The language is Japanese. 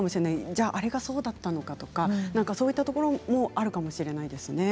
じゃあ、あれがそうだったのかとかそういったところもあるかもしれないですよね。